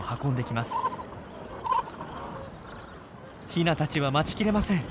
ヒナたちは待ちきれません。